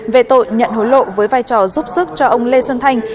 về tội nhận hối lộ với vai trò giúp sức cho ông lê xuân thanh